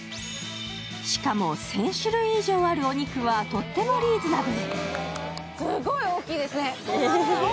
しかも１０００種類以上あるお肉はとってもリーズナブル。